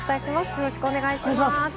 よろしくお願いします。